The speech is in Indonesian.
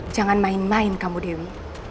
jangan main main kamu dewi